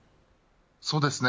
そうですね。